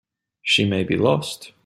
She may be lost.